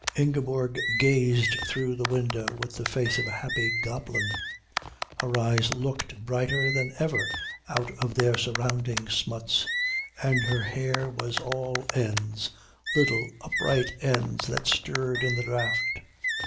Ingeborg gazed through the window with the face of a happy goblin. Her eyes looked brighter than ever out of their surrounding smuts, and her hair was all ends, little upright ends that stirred in the draught.